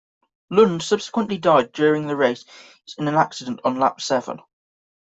Lund subsequently died during the race in an accident on lap seven.